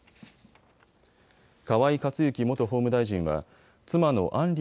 河井克行元法務大臣は妻の案